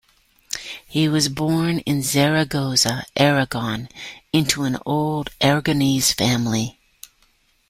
He was born in Zaragoza, Aragon, into an old Aragonese family.